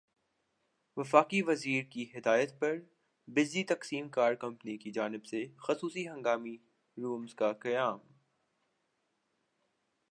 وفاقی وزیر کی ہدایت پر بجلی تقسیم کار کمپنیوں کی جانب سےخصوصی ہنگامی رومز کا قیام